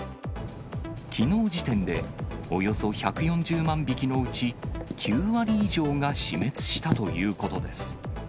きのう時点で、およそ１４０万匹のうち９割以上が死滅したということです。